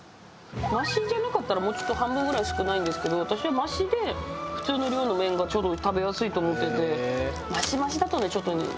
マシじゃなかったらもうちょっと半分ぐらい少ないんですけど私はマシで普通の量の麺がちょうど食べやすいと思ってて。